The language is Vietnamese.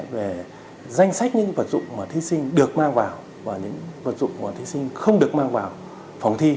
về danh sách những vật dụng mà thí sinh được mang vào và những vật dụng mà thí sinh không được mang vào phòng thi